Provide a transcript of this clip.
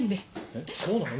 えっそうなの？